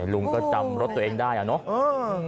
ลุงก็จำรถตัวเองได้อะเนาะ